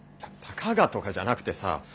たかがとかじゃなくてさ